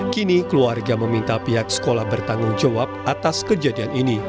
kini keluarga meminta pihak sekolah bertanggung jawab atas kejadian ini